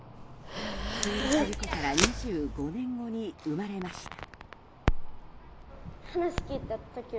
墜落事故から２５年後に生まれました。